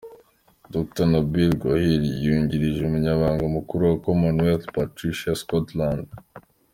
Dr. Nabeel Goheer yungirije Umunyamabanga Mukuru wa Commonwealth, Patricia Scotland.